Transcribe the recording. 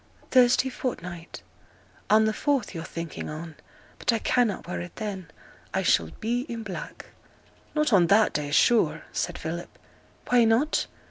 'Thursday fortnight. On the fourth yo're thinking on. But I cannot wear it then, I shall be i' black.' 'Not on that day, sure!' said Philip. 'Why not?